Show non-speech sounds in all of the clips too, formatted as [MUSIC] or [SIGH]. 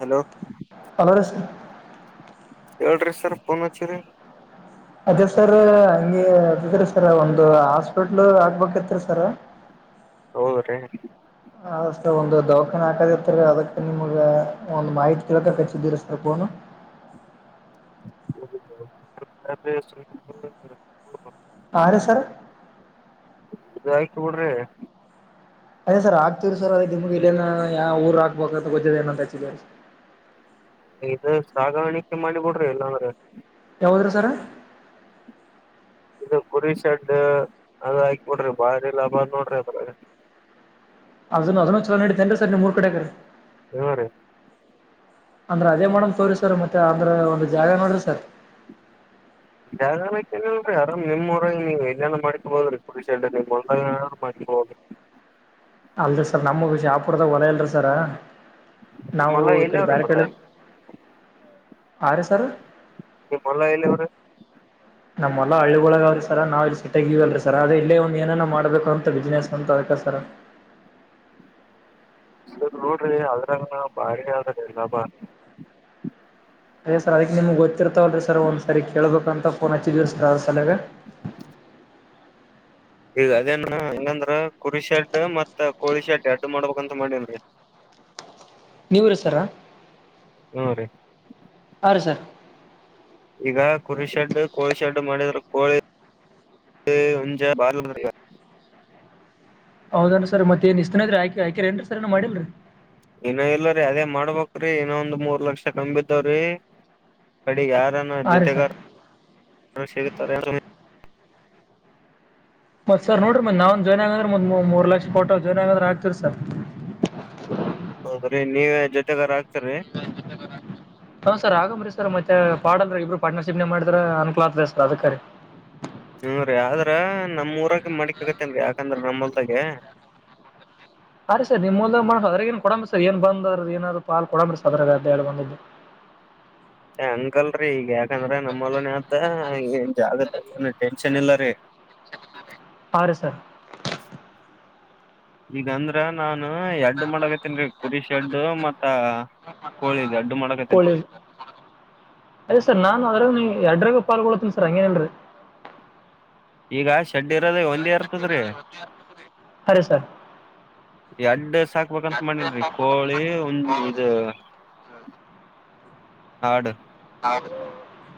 Hello hello ರಸ ಏ್ರೀ sir ಪೋನ್ಚ್ಚಿ ರರಿ ಅದೇ ಸರ್ ಹಗೆ ಅದರಿ ಸರ್ ಒಂದು ಹಾಸ್ಪಿಟ್ಲ್ ಆಗ್ಬೇಕಿತ್ರಿ ಸರ್ ಹೂ ಹೌದ್ರೀ ಅ ಸರ್ ಒಂದು ದವಾಖಾನನ್ ಹಾಕದರ್ತರಿ ಅದಕ್ಕೆ ನಿಮ್ಗ ಒಂದ್ ಮಾಹಿತಿ ತಿಳಕ ಕಚ್ಚಿದ್ದೀರಿ ಸರ್ ಫೋನು ಹೂ ಆಾಲಸರ್ ಇ ಆಯ್ತ ಬಿಡ್ರಿ ಅದೇ ಸರ್ ಆಗ್ತಿವರಿ ಸರ್ ಅದ ನಿಮ್ಗೆ ಇಲ್ಲೇ ಯಾವ ಊರ್ ಹಾಕ್ಬೇಕ ಅಂತ ಗೊದದ ಏನಂತ ಇ ಸಾಗಾಣಿಕೆ ಮಾಡಿ ಬಿಡ್ರಿ ಇಲ್ಲಾಂದ್ರೆ ಯಾವದ್ರ ಸರ್ ಇದು ಕುರಿ ಶೆಡ್ ಅದು ಹಾಕಬಡ್ರಿ ಬಾರಿ ಲಾಭ ನೋಡ್ರಿ ಅದ್ರಾಗ ಅದನ್ನ ಅದನ್ನು ಚಲ ನಡತೇನ್ ಸರ್ ನೀಮ್ರ್ ಕಡೆ ಇವ ರ ಅಂದ್ರೆ ಅದೇ ಮಾಡೋಮ್ ತವ್ರಿ ಸರ್ ಮತ್ತೆ ಅಂದ್ರೆ ಒಂದು ಜಾಗ ನೋಡ್ರಿ ಸರ್ ಜಾಗಏನಲ್ೀ ಯಾರ ನಿಮಮ್ಮ್ರಗೆ ನೀವು ಎಲ್ಲನ ಮಾಡ್ಕಬೋದ್ರಿ ಕುರುಷ ನಿಮ್ ಒಾರು ಮಾಡ್ಕಬೋದಿ ಅಲ್ರಿ ಸರ್ ನಮಗ ಶಾಪುರದ ಒಲ ಅಲ್ರರಿ ಸರ ನಿಮ್ ನಾವು ಹೊಲ ಈ ಎಲ್ಲಿ ಕಡೆ ಅವ್ರಿ ಬಾರ ಕ ಮತ್ತ ಆರ ಸರ್ ನಿ ಭಲ ಇಲ್ಲ ಗರೆ ನಮ್ಮ್ಲ್ಲ ಹಳ್ಳಿೊಳಗಾವ್ರಿ ಸರ ನಾವ ಇಲ್ಲಿ ಸಿಟೀ ಅಲ್ರರಿ ಸರ್ ಅದ ಇಲ್ಲಿ ಒಂದ ಏನ ಮಾಡಬೇಕು ಅಂತ ಬಿಸ್ನೆಸ್ ಅಂತ ಅದಕ ಸರ ಸರ್ ನೋಡ್ರಿ ಅದ್ರಂಗ ಭಾರಿ ಆದ್ರ ಎ ಲಾಭ ಅಯ್ಯ ಸರ್ ಅದಕ್ಮ್ಗೆ ಗೊತ್ತರ್ತವಲ್ಲರಿ ಸರ್ ಒಂದ್ ಸರಿ ಕೇಳಬೇಕಂತ ಫೋನ್ ಹಚ್ಚಿದೀವಿ ಸರ್ ಅದ ಸಲೇ ಈಗ ಅದೇನ್ ಹಂಗಂದ್ರ ಕುರಿಶೆಡ್ ಮತ್ತತ್ ಕೋಳಿ ಶೆಡ್ ಅಡ್ ಮಾಡ್ಬೇಕಂತ ಮಾಡೇನ್ ನೀವರು ಸರಾ ಹ್ಮ ರೀ ಹೌಂ ಸರ್ ಈಗ ಕುರಿ ಶೆಡ್ ಕೋಳಿ ಶೆಡ್ಡು ಮಾಡಿದ್ರ ಕೋಳಿ ಮುಂಜೆ ಬಾರ್ಲ ಈಗ ಹೌದೇನ್ ಸರ್ ಮತ್ತೇನ್ ಇ್ತಾನ ಇದ್ರ ಆಾಕ ಆಕ ನ್ರಿ ಸ ಏನ ಮಾಡಿಲ್ರಿ ಇನೊ ಇಲ್ಲರೀ ಅದೇ ಮಾಡ್ಬಕ್್ರೀ ಇನೊ ಒಂದ್ ಮೂರ್ ಲಕ್ಷ ಕಿದವ್ರೀ ಅಡಿ ಯಾರನ್ನ ಹಾ ರೀ ಸರ್ ಜೊತೆಗಾರಾರೆ ಮತ್ತ ಸರ್ ನೋಡರಿ ಮತ್ತ ನಾನ್ ಜಾಯನ್ ಆಗಂದ್ರೆ ಮ್ ಮೂ ಲಕ್ಷ ಪೋಟೋ ಜಾಯನ್ಗಂದ್ರೆ ಆಗ್ತೀರಿ ಸರ್ ಹೌದ್ರೀ ನೀವ ಜೊತೆಗಾರ ಹ ಆಗ್ತರಿೀ ೆ ಹ್ ಸರ್ ಆಗಾಮ್ರಿ ಸರ್ ಮತ್ತೆ ಪಾಲ್ರಿಬ್ರು ಪಾರ್ಟನರ್ ಶಿಪ್ ನ ಮಾಡಿದ್ರ ಅನ್ಕಲತದೆ ಸರ್ ಅದಕಾರಿ ಹ್ಮೂ ರೀ ಆದ್ರ ನಮ್ಮ್ ಊರಾಗ ಮಡಕ್ ಆಗತ್ತೇನ್ೀ ಯಾಕಂದ್ರ ನಮ್ಮಲ್ದಾಗೆ ಅರಿೀ ಸರ್ ನಿಮ್ಮ ಮುದ ಮಾಡ ಅದ್ರ ಏನ್ ಕೊಡಂಬಿ ಸರ್ ಏನ್ ಬಂದ್ರ ಏನಾರ ಪಾ ಕೊಡಂಬಿ ಸದರ ಅಂತ ಹೇಳಳ್ ಬಂದಿದ್ದು ಏ ಅಂಕಲ್ರಿೀ ಈಗ ಯಾಕಂದ್ರ ನಮ್ಮಲನ ಅತ್ ಏನ್ ಜಾಗ ಏ ಟೆನ್ಷನ್ ಇಲ್ಲರೀ ಹೌ ರೀ ಸರ್ ಈಗಂದ್ರ ನಾನು ಎಡ್ಡು ಮಾಡಕತ್ತನ್ೀ ಕುರಿ ಶೆಡ್ಡು ಮತ್ತ ಕೋಳಿಿದ ಅಡ್ಡು ಮಾಡಕತ್ತೇನ್ರೀ ಕೋಳಿ ಅದೇ ಸರ್ ನಾನು ಅದ್ರಾಗ ನೀ ಎರಡಾಗ ಪಾಲ್ಗೊಳ್ಳತ್ತನಿ ಸರ್ ಹಂಗೇನಲ್ರೀ ಈಗ ಶೆಡ್ ಇರೋದ ಒಂದೇ ಇರ್ತದ್ರಿ ಅರೆ ಸರ್ ಎಡ್ಡ ಸಾಕ್ಬೇಕಂತ ಮಾಡಿನ್ರಿ ಕೋಳಿ ಅದು ಹಾಡು ಹೌದು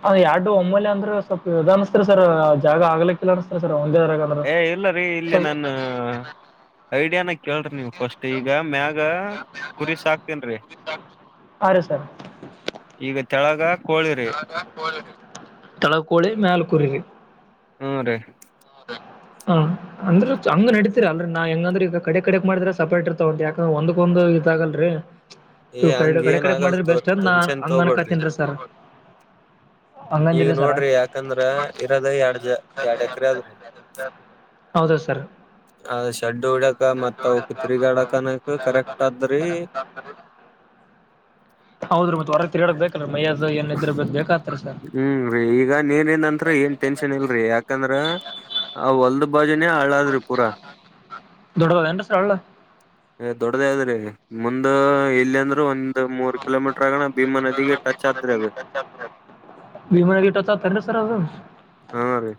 ಅಂದ್ ಎರಡು ಒಮ್ಮಲ್ ಅಂದ್ರೆ ಸ್ವಲ್ಪ ಇ ಅನಸ್ತರಿ ಸರ್ ಆ ಜಾಗ ಆಗ್ಲಿಕ್ಕಿಲ್ಲ ಅನಸ್ತಾರ ಸರ್ ಒಂದಗ ಏ ಇಲ್ಲ ರೀ ಇಲ್ಲಿ ನಾನ ಐಡಿಯಾನ ಕೇಳ್ರಿ ನೀವವು ಫಸ್ಟ್ ಈಗ ಮ್ಯಾಗ ಕುರಿ ಸಾಕ್ತನ್ ಹ ಸರ್ ಈಗ ತೆಳಗ ಕೋಳಿರಿ ತಳಗ ಕೋಳಿ ಮೇಲ ಕುರರಿ ಹಾ ರೀ ಹ್ಮ ಅಂದ್ರ ಹಂಗ ನಡತೀ ಅಲ್ರಿ ನಾ ಹೆಂಗಂದ್ರ ಈಗ ಕಡೆ ಕಡೆಕ್ ಮಾಡಿದ್ರ ಸಪರೇಟ್ ಇರ್ತಗ ಉಯಾಕಂದ್ರ ಒಂದ್ಕೊಕಂದ್ ಇದ ಆಾಗಲ್ರಿ ಏ ಹಂಗ ಕ ಕಡೆ ಏನ್ ಕಡೆ ಆಗಲ್ ಮಾಡಿದ್ರ ತೋರಿ ಬೆಸ್ಟ್ ಅಂದ ನಾನ್ ಟೆನ್ಷನ್ ತೋಬೇಡ್ರಿ ಹಂಗನ್ಕತನ್ಸರ್ ಈಗ ನೋಡ್ರಿ ಯಾಕಂದ್ರ ಇರದ ಎರಡ್ಜ ಎಡ್ ಹೌದು ಸರ್ ಅ ಶಡ್ಡು ಹಡಕ ಮತ್ ಅವ ಕ ತಿರಿಗಾಡಕನಕ ಕರೆಕ್ಟ್ ಆದದ್ರಿ ಹೌದ್ರ ಮತ್ತ ಹೊರತ್ ಹೇಳಕ್ ಬೇಕ್ರ ಮೈ್ಯದ ಏನ್ ಇದ್ರ ಬ ಬೇಕಕ್ತರಿ ಸರ್ ಹ್ಮ್ ಈಗ ನೀರಿಂದಂತ್ತ್ರ ಏನ್ ಟೆನ್ಷನ್ ಇಲ್ರರಿ ಯಾಕಂದ್ರ ಆ ಹೊಲ್ದ ಬಾಜನೆೇ ಹಳಾದ್ರು ದೊಡ್ಡದ ಎಂದ ಸ್ರಲ್ಲ ದೊಡ್ಡದ ಅದ್ರಿ ಮುಂದ ಇಲ್ಲಿ ಅಂದ್ರೂ ಒಂದ ಅದು ಮೂರ್ ಕಿಲೋಮೀಟರ್ ಆಗಣ ಭೀಮಾ ನದಿಗೆ ಟಚ್ ಆದ್ರೆ ಅದು ಚ ಪೀಟತ ಸರ್ ಅದು ಹಾ ರೀ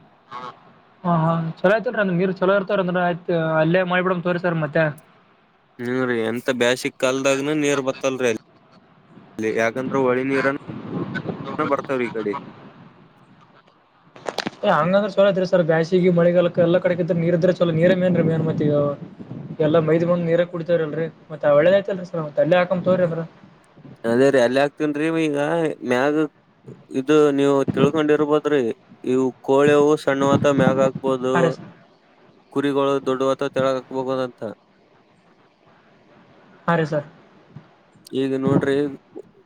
ಹ ಹಾ ಚಲೋ ಆಯತವೀ ಅಂದ ನೀರ್ ಚಲೋ ಇರ್ತವಾರ ಅಂದ್ರ ಆಯ್ತ್ ಅಲ್ಲೇ ಮಾಡಿಬಿಡಂಗ ತೋರಿ ಸರ್ ಮತ್ತೆ ಹ್ಮೂ ರರಿ ಎಂತ ಬೇಾಸಿಕ್ ಕಾಲದಾಗನ ನೀರ್ ಬತ್ತಲ್ರಿ ಅಲ್ಲಿ ಅ ಯಾಕಂದ್ರೆ ಹೊಳಿ ನೀರ ಬರ್ತವ್ರಿ ಈ ಕಡೆ ಹಂಗಂದ್ರ ಚಲ ಇದ್ರರಿ ಸರ್ ಬ್ಯಾಸಗಿ ಮಳಿಾಲಕ್ ಎಲ್ಲ ಕಡೆ ಇದ್ರೆ ನೀರ್ ಇದ್ರೆ ಚಲೋ ನೀರೇನ್ ಮೇನ್ತ್ಗ ಎಲ್ಲ ಮೈದ್ ಬಂದ್ ನೀರ ಕುತವ್ರ ಅಲ್ರಿ ಮತ್ದ ಆ್ತಲ್ರಿ ಸ ಮತ್ತ ಅಲ್ಲಿ ಹಾಕೊಂಡ್ ತೋ್ರ ಅವ್ರ ಅದೇ ರೀ ಅಲ್ಲಿ ಹಾಕ್ತೇನ್ ರೀ ಈಗ ಮ್ಯಾಗ ಇದು ನೀವು ತಿಳ್ಕೊಂಡಿರ್ಬೋದ್ರಿ ಇವು ಕೋಳೆವು ಸಣ್ಣವತ ಮ್ಯಾಗ ಆ ಹಬೋದು ಹಾ ರೀ ಸರ್ ಕುರಿಗಳು ದೊಡ್ಡ ಅಥವಾ ತೆಳಗಾಕ್ಬಹೋದಂತ ಹಾಂ ರೀ ಸರ್ ಇದು ನೋಡ್ರಿ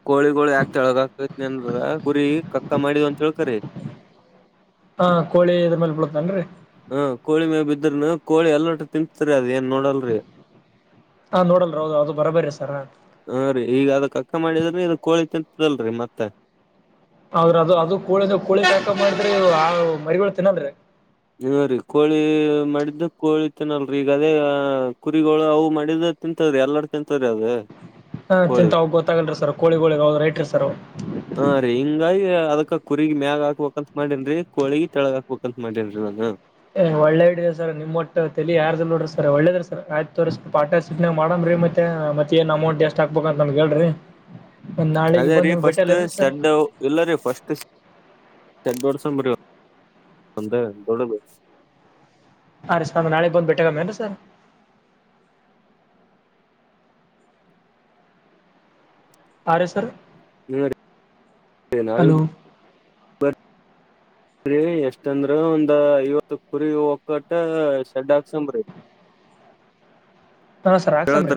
ಕೋಳಿಗೋ ಯಾಕ್ ಕೆಳಗಕತಿನ ಅಂದರ ಪುರಿ ಕಕ್ಕ ಮಾಡಿದ್ ಅಂತ ಹೇಳಳ್ಕರಿ ಹ ಕೋಳಿ ಇದ್ರ ಮೇಲೆ ಬಿಳತನ್ರಿ ಹ ಕೋಳಿ ಮೇ ಬಿದ್ರನು ಕೋಳಿ ಎಲ್ಲೋಟ ತಿನ್ತ್ರಿ ಅದ ಏನ್ ನೋಡಲ್ರರಿ ಹಾ ನೋಡಲ್ರ ಹೌದ ಅೌದು ಬರ ಬರರಿ ಸರ್ ಹಾ ರೀ ಈಗ ಅದ ಅಕ್ಕ ಮಾಡಿದ್ರೆ ಇದ ಕೋಳಿ ತಿಂತದಲ್ರಿ ಮತ್ತೆ ಹೌದ್ರ ಅದು ಅದು ಕೂಳ ಕೂಳಿ ಸಾಾಕ ಮಾಡಿದ್ರೆ ಆ ಮರಿಗಳು ತಿನ್ನದ್ರೆ ಹ ರೀ ಕೋಳಿ ಮಾಡಿದ್ದ ಕೋಳಿತೇನಲ್ರರಿ ಈಗ ಅದೇ ಕುರಿಗಳು ಅವು ಮಾಡಿದ ತಿಂತದ್ರಿ ಎಲ್ಲರ ತಿಂತದರಿ ಅದು ಹಾ ಚಿಂತ ಹೋಗಿ ಗೊತ್ತಾಗೊಂಡ್ರರಿ ಸರ್ ಕೋಳಿಗಳ ಹೋದ ರೈ ರರಿ ಸರ್ ಹಾರಿ ಹಿಂಗಾಗಿ ಅದಕ ಕುರಿಗಿ ಮ್ಯಾಗ ಹಾಕ್ಬೇಕಂತ ಮಾಡೇನ್ರಿ ಕೋಳಗಿ ತೆಳಗ್ ಹಾಕ್ಬೇಕಂತ ಮಾಡೇನ್ರಿ ನಾನು. ಎ ಒಳ್ಳೆ ಐಡಿಯಾ ಸರ್ ನಿಮ್ಮ ಒಟ್ಟ ತಲಿ ಯಾರ್ದ ಇಲ್ಲ ನೋಡ್ರ ಸರ್ ಒಳ್ಳೇದ ಸರ್ ಆಯ್ತ ತೋರೀ ಸರ್ ಪಟ ಚಟ್ನಾಗ್ ಮಾಡನ್ರೀ ಮತ್ತೆ ಮತ್ತೆ ಏನ್ ಅಮೌಂಟ್ ಎಷ್ಟ ಹಾಕ್ಬಬೇಕ ಅಂತ ನಮ್ಗ ಹೇಳ್ರಿ. ಒಂದ ನಾಳಿಗ ಬಂದ ನಿಮ್ ಬೆಟೆಲ್ಲರೀ ಸರ್. ಎಲ್ಲರಿ ಫಸ್ಟ್ ತೆಗ್ಗ ದೊಡ್ಸ ಒಂದ ದೊಡ್ಡದ ಅ ರ ಸ ನಾಳೆಗ ಬಂದ ಬೆಟ್ಟಟಾಗಮ್ಮ ಏನ ಸರ್. ಅರ ಸರ್ ಹಲೋ [UNINTELLIGIBLE] ರೀ ಎಷ್ಟ ಅಂದ್ರ ಒಂದ ಐವತ್ತ ಕುರಿ ಒಕ್ಕಟ್ಟ ಶೆಡ್ ಹಾಕ್ಸಂಬ್ರಿ. ಹಾ ಸರ್ ಆಕ್ಸನ್ರೀ.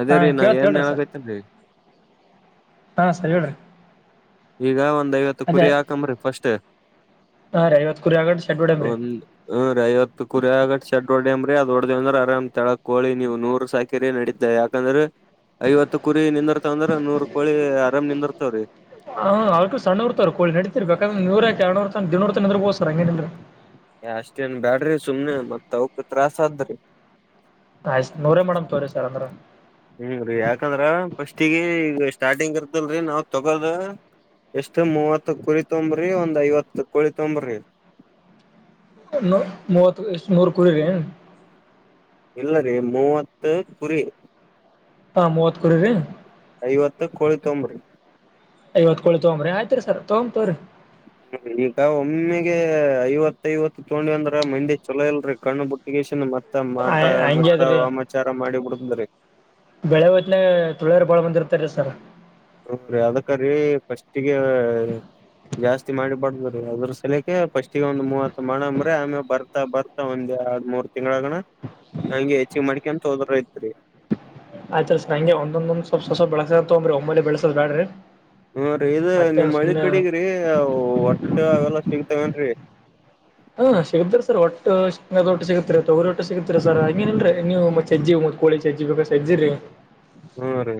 ಅದೇರೀ ನಾ ಏನ್ ಹೇಳಕತ್ತನ್ರೀ. ಹಾ ಸರ ಹೇಳ್ರಿ. ಈಗ ಒಂದ ಐವತ್ತ ಅದೇ ಕುರಿ ಆಕಂಬ್ರಿ ಫಸ್ಟ್ ಹಾ ರೀ ಐವತ್ ಕುರಿ ಆಗಟ್ ಶೆಡ್ ಹೊಡ್ಯಮ್ರಿ ಒಂದ ಹ್ಮ ರೀ ಐವತ್ತ ಕುರಿ ಆಗ ಶಡ್ಡ ಹೊಡಮ್ರಿ ಅದ ಹೊಡ್ದೇವಂದ್ರ ಆರಾಮ್ ತೆಳಕ್ಕ ನೀವು ನೂರ್ ಸಾಕಿರಿ ನಡಿದ್ದ ಯಾಕಂದ್ರ ಐವತ್ತ ಕುರಿ ನಿಂದಿರ್ತಾವಂದ್ರ ನೂರ್ ಕೋಳಿ ಆರಾಮ್ ನಿಂದರ್ತಾವ್ರಿ. ಹ ಅವ್ಕು ಸಣ್ಣ ಇರ್ತ ಕೋಳಿ ನಡಿತಿರ್ಬೇಕ ನೂರಕ ಎಡುನೂರ ತನ ದಿನೂರ ತನ ನಿಂದ್ರಬೋದ ಸರ್ ಹಂಗೇನ ಇಲ್ರಿ. ಅಷ್ಟ ಏನ್ ಬ್ಯಾಡ್ರಿ ಸುಮ್ನೆ ಮತ್ತ ಅವಕ್ ತ್ರಾಸ ಆದ್ರಿ. ಆಯ್ತ ನೂರ ಮಡಮ್ ತೋರಿ ಸರ್ ಅಂದ್ರ. ಹ್ಮ ರೀ ಯಾಕಂದ್ರ ಫಸ್ಟಗ ಈಗ ಸ್ಟಾರ್ಟಿಂಗ್ ಇರ್ತಲ್ರರಿ ನಾವ ತಗೋದ. ಎಷ್ಟ ಮೂವತ್ತ ಕುರಿ ತೊಂಬ್ರಿ ಒಂದ್ ಐವತ್ತ ಕುಳ ತೊಂಬ್ರಿ. ನು ಮೂವತ್ ಎಷ್ಟ ಮೂರ ಕುರಿರಿ. ಇಲ್ಲರಿ ಮೂವತ್ತ ಕುರಿ. ಹಾ ಮವತ್ತ ಕುರಿರಿ. ಐವತ್ತ ಕೋಳಿ ತೊಂಬ್ರಿ. ಐವತ್ತ ಕೋಳಿ ತಗಂಬ್ರಿ ಆಯತ್ರಿ ಸರ ತಗೊತವ್ರರಿ. ಈಗ ಒಮ್ಮೆಗೆ ಐವತ್ತೈವತ್ತ ತಗೊಂಡ ಅಂದ್ರ ಮಂದಿ ಚಲೋ ಇಲ್ರಿ ಕಣ್ಣ್ಬಿಟ್ಟ ಇಗಷನ್ ಮತ್ತ ಮಾಟ ಹಂಗೆ ಮಂತ್ರ ಅದ್ರಿ ವಾಮಾಚಾರ ಮಾಡಿ ಬಿಡತ್ರೀ. ಬೆಳೆ ಹೊತ್ಲೆ ತುಳಿಯರ ಬಾಳ ಬಂದಿರ್ತರಿ ಸರ್. ಹ ರೀ ಅದಕ್ಕರೀ ಫಸ್ಟಿಗ ಜಾಸ್ತಿ ಮಾಡಿಬಾರ್ದ್ರೀ ಅದ್ರ ಸಲಕ ಫಸ್ಟಗ ಒಂದ್ ಮೂವತ್ ಮಾಡಮ್ರಿ ಆಮೇಲ ಬರ್ತಾ ಬರ್ ಒಂದ ಯಾಡ ಮೂರ ತಿಂಗಳಗನ ಹಂಗೆ ಹೆಚ್ಚಿಗ ಮಾಡ್ಕ ಅಂತ ಹೋದ್ರ ಐತ್ರಿ. ಆಯ್ತರಿಸ ಹಂಗೆ ಒಂದ ಸ್ವಲ್ಪ ಸ ಸ್ವಲ ಬೆಳಸತೊಂಬ್ರಿ ಒಮ್ಮೇ ಬೆಳಸೋ ಬೇಡ್ರಿ. ಹ್ಮ ರೀ ಇದ ನಿಮ್ಮ ಹಳ್ಳಿ ಕಡಗ್ರೀ ಒಟ್ಟೆ ಅವೆಲ್ಲಾ ಸಿಗ್ತವೇನ್ರಿ. ಹಾ ಸಿಗತ್ರ ಸರ್ ಒಟ್ಟು ಸೆಂಗದ ಒಟ್ಟ ಸಿಗತರಿ ತಗರಿ ಓಟ್ಟ ಸಿಗತ್ರಿ ಸರ್ ಹಂಗೇನಲ್ರೀ ನೀವು ಮೆಜ್ಜಿ ಕೋಳಿ ಚಜ್ಜಿ ಬೇಕಾ ಸಜ್ಜಿರಿ ಹ್ಮರಿ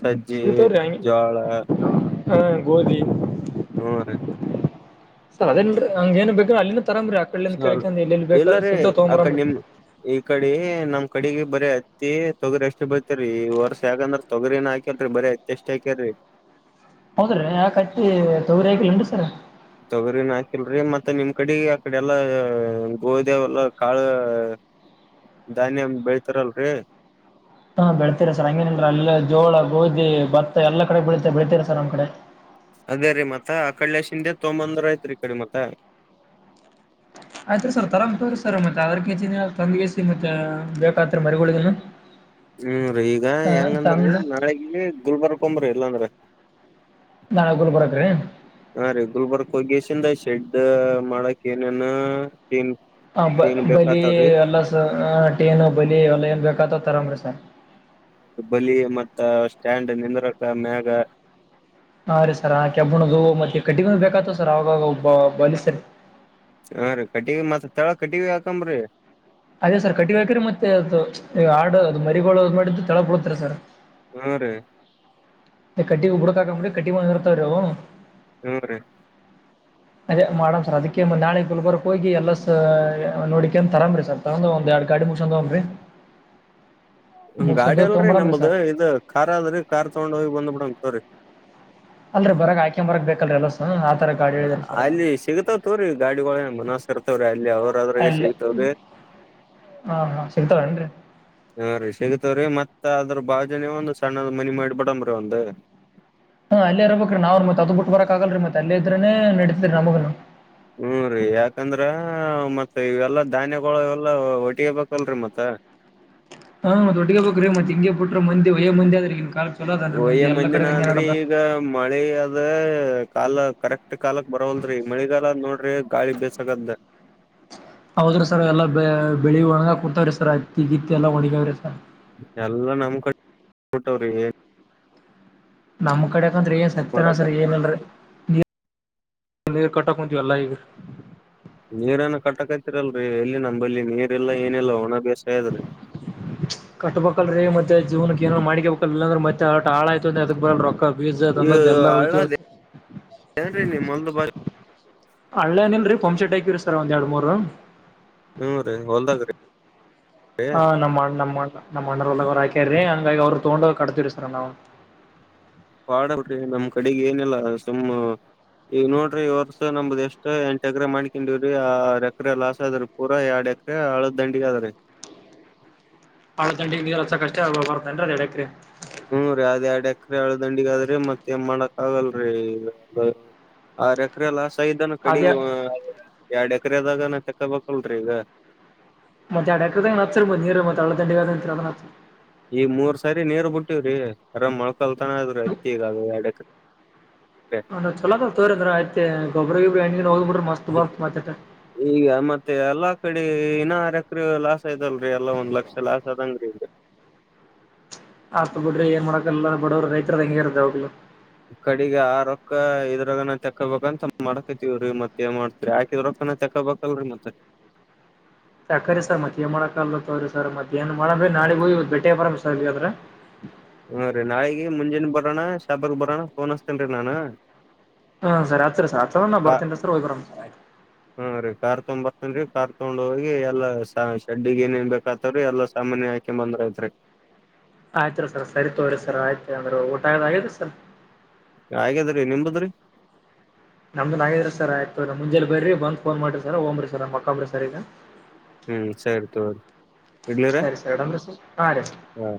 ಸಜ್ಜಿ ಜೋಳ ಹ ಗೋಧಿ ಹ್ಮ ರೀ. ಸರ್ ಅದೇನ್ರಿ ಹಂಗ ಏನ್ ಬೇಕ್ರ ಅಲ್ಲಿನ ತರಾಮ್ರಿ ಆ ಕಡಿಂದ ಸ್ವಲ್ ಕಳ್ಕ ಎಲ್ಲಿ ಬೇಕಾ ಎಲ್ಲಾರೀ ಸಿಗತ ಆ ಕಡೆ ತಗೊಂಬರ್ರಿ. ನಿಮ್ ಈ ಕಡೆ ನಮ್ ಕಡೆಗ ಬರೀ ಹತ್ತಿ ತೊಗರಿ ಅಷ್ಟೇ ಬರ್ತರಿ ವರ್ಷ ಯಾಕಂದ್ರ. ತೊಗರಿನಾಕಲ್ರಿ ಬರಿ ಅತ್ತಿ ಅಷ್ಟ ಹಾಕ್ಯರೀ. ಹೌದ್ರೀ ಯಾಕಟ್ಟಿ ತಗರಿ ಹಾಕಿಲ್ಲ ಅನ್ರಿ ಸರ. ತೊಗರಿನ ಹಾಕಿಲ್ರಿ ಮತ್ತೆ ನಿಮ್ ಕಡೆ ಆಕಡೆ ಎಲ್ಲಾ ಗೋದೇವೆಲ್ಲಾ ಕಾಳ ಧನ್ಯಮ ಬೆಳತಾರಲ್ರರಿ. ಹಾ ಬೆಳ್ತೀರಾ ಸರ್ ಹಂಗೇನಿಲ್ಲರೀ ಜೋಳ ಗೋಧಿ ಭತ್ತ ಎಲ್ಲ ಕಡೆ ಬೆಳಿತೆ ಬೆಳತೀರ ಸರ್ ನಮ್ಮ ಕಡೆ. ಅದೇ ರೀ ಮತ್ತ ಆ ಕಡ ಶಿಂದೆ ತೊಂಬಂದ್ರ ಐತ್ರಿ ಈ ಕಡೆ ಮತ್ತ ಆಯ್ತ್ರಿ ಸರ್ ತರ ಬತವ್ರೀ ಸರ್ ಮತ್ತೆ ಅದ್ರ ಕೆಜಿನ ತಂದ ಬಸಿ ಮತ್ತೆ ಬೇಕತ್ ಮರಿಗಳಿಗನು ಹ್ಮೀ ಈಗ ಹ ಹೆಂಗಂದ್ರೀ ತಂದ ನಾಳಗ ಗುಲ್ಬರ್ಗ್ಂಬ್ರಿ ಇಲ್ಲಾಂದ್ರ ನಾಳೆಗೂಲ್ ಬರತ್ೀ ಹಾ ರೆಗ್ಯುಲರ್ ಬರ್ಕ್ ಹೋಗ್ಯಸಿಂದ ಶೆಡ್ ಮಾಡಕ್ ಏನನ್ನ್ ಹ ಬ ಬಲಿ ಎಲ್ಲ ಸ ಟೇನು ಬಲಿ ಎಲ್ಲ ಏನ್ ಬೇಕತ ತರಂಬರಿ ಸರ್ ಬಲಿ ಮತ್ತ ಸ್ಟ್ಯಾಂಡ್ ನಿಂದ್ರಕ ಮ್ಯಾಗ ಹಾ ರೀ ಸರ್ ಆಕೆಬ್ಬಣದು ಮತ್ತೆ ಕಟ್ಟಿಗ ಬೇಕಾತ ಸರ್ ಅವವಾಗ ಒಬ್ಬ ಬಾಲ ಸರಿ ಹಾ ರೀ ಕಟಿವ ಮತ್ ತಳ ಕಟಿವ ಹಾಕಂಬ್ರೀ ಅದೇ ಸರ್ ಕಟ್ಟಿ ಹಾಕ್ರರಿ ಮತ್ತೆ ಅದು ಹಾಡು ಅದು ಮರಿಗಳುಳ ಮಾಡಿದ್ದು ತಳಬಳತರಿ ಸರ್ ಹಾ ರೀ ಕಟ್ಟಿ ಕುಡಕಾಕ ಮುಡ ಕಟ್ಟಿ ಮಾಡ ನಿರ್ತಾರ ಹ್ಮ್ ರೀ [UNINTELLIGIBLE] ಅದೇ ಮಾಡಮ್ ಸರ್ ಅದಕ್ಕೆ ನಾಳೆ ಗುಲ್ಬರ್ಗ ಹೋಗಿ ಎಲ್ಲ ನೋಡಿಕ ತರಾಮ್ರಿ ಸರ್ ತ ಒ ಅಡು ಗಾಡಿ ಮುಸ ರರಿ ಗಾಡಿ ಅಲ್ರಿ ನಮ್ದ ಇ ಇದ್ ಕಾರ್ ಅದ್ರರಿ ಕಾರ್ ತೊಗೊಂಡ್ ಹೋಗಿ ಬಂದ್ ಬಿಡಂಗ ತವ್ರಿ ಅಲ್ರಿ ಬರಗ್ ಆಯಕಂಬರಗ್ ಬೇಕಲ್ರ ಎಲ್ಲ ಹ್ಮ್ ಆಾರ ಅಲ್ಲಿ ಸಿಗ್ತಾವತವ್ರೀ ಗಾಡಿಗಳ ಮನಸ್ ಇರ್ತವ್ರಿ ಅಲ್ಲಿ ಅವ್ರದ್ರಗೆ ಅಲ್ಲಿ ಸಿಗತಾವ್ರಿ ಹಾ ಹಾ ಸಿಗ್ತಾರ ನ್ರಿ ಹಾ ರೀ ಸಿಗತವ್ರೀ ಮತ್ ಅದ್ರ ಬಾಾಜನ ಒಂದಂದು ಸಣ್ಣದ್ ಮನಿ ಮಾಡಿಬಿಡಮ್ರೀ ಒಂದ್ ಹಾ ಅಲ್ಲೇ ಇರಬೇಕ ರೀ ನಾವ್ರ ಮತ್ತ ಅದು ಬಿಟ್ಟ ಬರಕ್ಾಗಗಲ್ರಿ ಮತ್ತ ಅಲ್ಲ ಇದ್ರೆೇ ನಡೀತ್ೀ ನಗ ಹ್ಮ ರರಿ ಯಾಕಂದ್ರ ಮತ್ತತ್ ಇವೆಲ್ಲಾ ಧಾನ್ಯಗಳು ಎಲ್ಲಾ ಒಟ್ಟಿಗೆ ಬೇಕಲ್ರರಿ ಮತ್ತ ಹಾ ಮೊಟ್ಟಗ ಬ್ರೀ ಮತ್ಿಂಗೆ ಬಿು್ರ ಮಂದ ವಯ ಮಂದಿ ಆದ್ರಿಗ ಕಾಲ ಚಲ ಅ್ರ ಒಯ್ಯ ಮಂದ ಎಲ್ಲಡೆ ಮಂದಿನ ಹಂಗೆ ಆದ್ರಿ ನಡದ ಈಗ ಮಳಿ ಅದ ಕಾಲ ಕರೆಕ್ಟ್ ಕಾಲಕ್ ಬರವಲ್ರೀ ಮಳಿಗಾಲ ನೋಡ್ರಿ ಗಾಳಿ ಬಸಗದ್ದೆ ಹೌದ್ರೀ ಸರ್ ಎಲ್ಲ ಬೆ ಬೆಳಿ ಒಣಗ ಕುೂತವ್ರೀ ಸರ್ ಹತ್ತಿಗಿತ್ತಿ ಎಲ್ಲ ಒಣಗಾವ್ರೀ ಸರ್ ಎಲ್ಲಾ ನಮ್ ಕಡೆ ಕೊಟ್ಟವ್ರಿ ಏನ್ ನಮ್ ಕಡೆಕಂದ್ರೆ ಏನ್ ಸಕ್ತನ ಮಾಡಕ ಸರಿ ಏನ್ಲ್ರೀ ನೀ ನೀ ಕಟಕಂಂತ ಅಲ್ಲ ಈಗ ನೀರನ ಕಟ್ಟಕತಿರಲ್ರರಿ ಎಲ್ಲಿ ನಂಬಳಿ ನೀರ್ಲ್ಲ ಏನಿಲ್ಲಾ ಒಣ ಬೇಸಾಯದ್ರೀ ಕಟ್ಬೇಕಲ್ರಿ ಮತ್ತೆ ಜೀವನಕ್ಕೆ ಏನ ಮಾಡಕಬೇಕಕ್ಲ್ಲ್ಲ ಅಂದ್ರ ಮತ್ತೆ ಆಟ ಆಾ ಆಯತು ಅಂದ ಅದ ಬರಲ್ ರೊಕ್ಕ ಬೀಜ ಇ ತಂದದ್ ಎಲ್ಲ ಹಳ್ಳದ ಹೋಯ್ತವತ್ ಏನ್ೀ ನೀ ಮೊ ಬ ಹಳ್ಳೇಏನಲ್ರರಿ ಪಂಚ ಟಕಿರಿ ಸರ್ ಒಂದ ಎರಡು ಮೂೂರು ಹ್ಮ್ೂ ರೀ ಹೊೋಲ್ದಾಗ್ರೀ ಹ ನಮ್ಮ್ ನಮ್ಮ ನಮ್ಮ ಅಣಲ್ಲ್ರು ಹಾಕ್ಯ್ರಿ ಹಂಗಾಗಿ ಅವ್ರು ತಗೊಂಡ್ ಕಡ್ತತಿರಿ ಸರ್ ನಾವವು ವಾಡ ಬಿಡ್ರಿ ನಮ್ಮ್ ಕಡೆಗೆ ಏನೆಲ್ಲ ಸುಮ್ಮ ಈಗ ನೋಡ್ರಿ ವರ್ಷ ನಮ್ದ ಎಷ್ಟ್ ಎಂಟು ಎಕರೆ ಮಾಡ್ಕೊಂಡಿವವ್ರಿ ಆ ಎಕರೆ ಲಾಸ್ ಆದ್ರ ಪೂರ ಎರಡ್ ಎಕರೆ ಆಳ ದಂಡಿ ಅದ್ರರಿ ಹಾಳ ಚಂಡಿಗೆ ನೀಸಕಕ್ಕಷ್ಟೇ ಆ ಬರ್ತ ಅ್ರೆ ಎಡ್ರಿ ಹ್ಮ್ೂ ರೀ ಅದ್ ಎರಡ್ ಎಕರೆ ಎಳ ದಂಡಿಗಾದ್ರೀ ಮತ್ತೇನ್ ಮಾಡಕ್ ಆಗಲ್ರರಿ ಆರ್ ಎಕರೆ ಲಾಸ್ ಆಗ್ದಾನ ಕಡೆ ಅದೇ ಎರಡ್ ಎಕರೆದಾಗನ ತೆಕ್ಕಬೇಕಕ್ಲ್ರೀ ಈಗ ಮತ್ತೆಡ ನ ನೀರು ಮತ್ತೆ ಒ ದಂಡ ಈ ಮೂರ್ ಸರಿ ನೀರ್ ಬಿಟ್ಟಿವವ್ರಿ ಅರಾಮ್ ಮೊಳಕಲ್ತಾನ ಅದ್ರೀ ಅತ್ತಿ ಈಗ ಎರಡ್ ಎಕ್ರ ಅ ಚಲದ ತೋರಿ ಅ್ರ ಆಯತೆ ಗೊಬ ಗೊಬ್ರಿಣ್ಣ ಹೋಗ್ ಬಿ್ರ ಮಸ್ ಬತ್ ಮಾತಾ ಈಗ ಮತ್ತೆ ಎಲ್ಲಾ ಕಡೆ ಇನ್ನಾರಕ್ರ ಲಾಸ್ ಐದಲ್ರಿ ಎಲ್ಲಾ ಒಂದ್ ಲಕ್ಷ ಲಾಸ್ ಆದದಂಗ್ರೀ ಈಗ ಆತ ಬಿಡ್ರ ಏನ್ ಮಾಡಕಲ್ಲ ಬಡವರು ರೈತದ ಹೆಂಗ ಇರತ್ತದವಾಗ್ಲು ಈ ಕಡೆಗ ಆ ರಕ್ಕ ಇದ್ರಾಗ ನ ತಕ್ಕಬಬೇಕಂತ ಮಾಡ್ಕೈತಿವ ರೀ ಮತ್ತೇನ್ ಮಾಡ್ತವಿ ಾಕಿದ್ರೊ ಚೆಕ ಬಬೇಕಲ್ರರಿ ಮತ್ತೆ ಸಕ್ರ ಸರ್ ಮತ್ತೇಏನ್ ಮಾಡಕ ಅಲ್ಲ ತವ್ರರಿ ಸರ್ ಮತ್ತ್ಯಾ ಏನ್ ಮಾಡ್ರಿ ನಾಳಗ ಇ ಬೇಟ ಬರ ಸರ್್ರೆ ಹ್ಮೂ ರೀ ನಾಳಗ ಮುಂಜಾನೆ ಬರೋಣ ಶಾಬಕ್ ಬರೋಣ ೋನ್ ಹಸ್ತೇನ್ ರೀ ನಾನು ಹಾ ಸರ್ ಹತ್ರ ಸರ್ತ್ರ ಕಾ ಬರ್ತೇನ್ ಸರ್ ಒೋಗಬರ ಹಾ ರೀ ಕಾರ್ ತೊೊಂಡ್ ಬರ್ತೇನ್ೀ ಕಾರ್ ತಗೊಂಡ್ ಹೋಗಿ ಎಲ್ಲಾ ಶೆಡ್ಡಿಗ್ ಏನ ನ್ ಬೇಕತವ್ರೀ ಎಲ್ಲಾ ಸಾಮನ್ಯ ಹಾಕೆ ಬಂದ್ರ ಇದ್ರರಿ ಆಯ್ತು ಸರ್ ಸರಿ ತಗ್ರರಿ ಸರ್ ಆಯ್ತು ಅಂದ್ರೆ ಊಟ ಆದ ಆರಿ ಸರ್ ಹಾಗಾದ್ರಿ ನಿಮ್ದದ್ರಿ ನಮ್ದುನ್ ಹಾಗಿದ್ರ ಸರ್ ಆಯ್ತ ಮುಂಜೆ ಬನ್ರಿ ಬ ಫೋನ್ ಮಾಡಿ ಸರ್ ಹಓ್್ರಿ ಸರ್ ಮಕ್ಕೊಬ್ರಿ ಸರ್ ಈಗ ಹ್ಮ್ ಸರಿ ತೊಗರಿ ಇಡ್ಲರ ಸರಿ ಸರ್ ಇಡಮ್ರಿ ಸರ್ ಹಾ ರೀ ಹಾ